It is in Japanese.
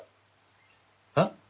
えっ？